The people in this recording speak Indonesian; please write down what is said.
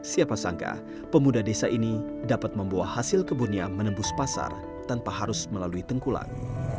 siapa sangka pemuda desa ini dapat membawa hasil kebunnya menembus pasar tanpa harus melalui tengkulak